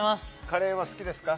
カレーは好きですか？